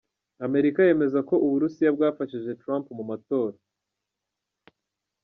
Amerika yemeza ko Uburusiya bwafashije Trump mu matora.